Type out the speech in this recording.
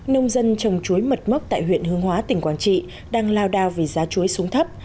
nông dân trồng chuối mật mốc tại huyện hương hóa tỉnh quảng trị đang lao đao vì giá chuối xuống thấp